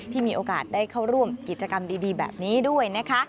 มีโอกาสได้เข้าร่วมกิจกรรมดีแบบนี้ด้วยนะคะ